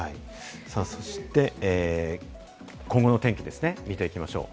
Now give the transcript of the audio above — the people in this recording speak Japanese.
そして、今後の天気ですね、見ていきましょう。